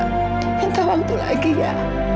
jangan sapa waktu lagi ya